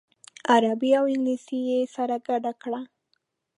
عربي او انګلیسي یې سره ګډه کړه.